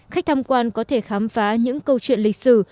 khách tham quan có thể khám phá những câu chuyện lịch sử